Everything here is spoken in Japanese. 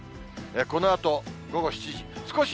このあと午後７時。